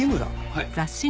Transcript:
はい。